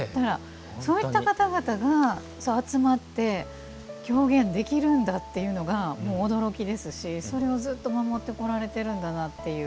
そういった方々が集まって狂言できるんだというのが驚きですしそれをずっと守ってこられているんだなという。